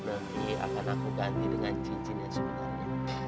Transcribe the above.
nanti akan aku ganti dengan cincin yang sebenarnya